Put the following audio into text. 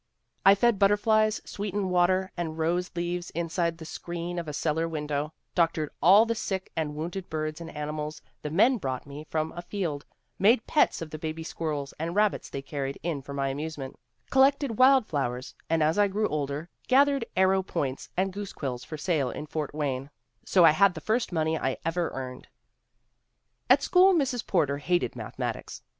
... I fed butterflies sweetened water and rose leaves inside the screen of a cellar window, doctored all the sick and wounded birds and animals the men brought me from afield; made pets of the baby squirrels and rabbits they carried in for my amusement ; collected wild flowers ; and as I grew older, gathered arrow points and goose quills for sale in Fort Wayne. So I had the first money I ever earned/ ' At school Mrs. Porter hated mathematics.